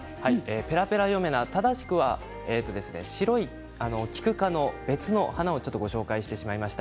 正しくは白いキク科の別のお花をご紹介してしまいました。